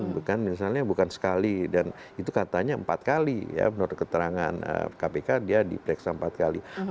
bukan misalnya bukan sekali dan itu katanya empat kali ya menurut keterangan kpk dia diperiksa empat kali